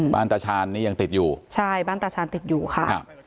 ตาชาญนี่ยังติดอยู่ใช่บ้านตาชาญติดอยู่ค่ะครับ